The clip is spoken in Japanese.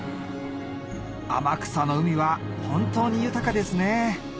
天草の海は本当に豊かですね